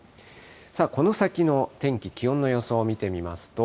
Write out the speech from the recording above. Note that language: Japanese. さあ、この先の天気、気温の予想を見てみますと。